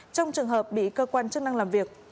trong trường hợp bị cơ quan chức năng làm việc